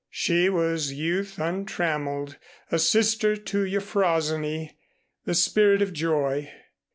She was youth untrammeled, a sister to Euphrosyne, the spirit of joy.